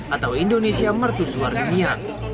atau indonesia mercu suar dunia